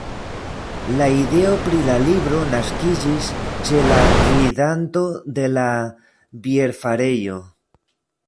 La ideo pri la libro naskiĝis ĉe la gvidanto de la bierfarejo.